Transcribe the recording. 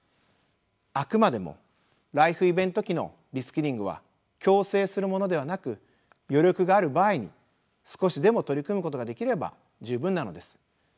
あくまでもライフイベント期のリスキリングは強制するものではなく余力がある場合に少しでも取り組むことができれば十分なのです。